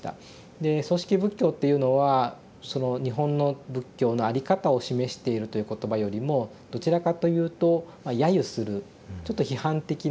で葬式仏教っていうのは日本の仏教の在り方を示しているという言葉よりもどちらかというとやゆするちょっと批判的な。